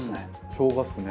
しょうがですね。